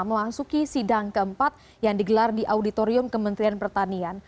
memasuki sidang keempat yang digelar di auditorium kementerian pertanian